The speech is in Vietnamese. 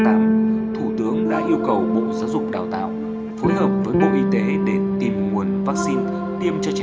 thủ tướng đã yêu cầu bộ giáo dục đào tạo phối hợp với bộ y tế để tìm nguồn vaccine tiêm cho trẻ